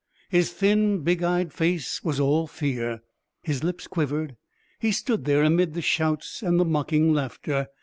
His thin, big eyed face was all fear; his lips quivered; he stood there amid the shouts and the mocking laughter.